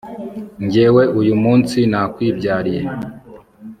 jyewe uyu munsi nakwibyariye